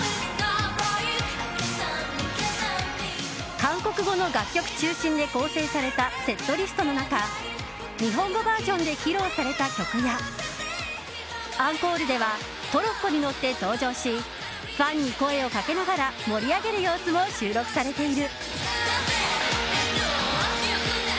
韓国語の楽曲中心で構成されたセットリストの中日本語バージョンで披露された曲やアンコールではトロッコに乗って登場しファンに声をかけながら盛り上げる様子も収録されている。